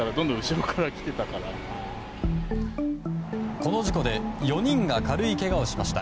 この事故で４人が軽いけがをしました。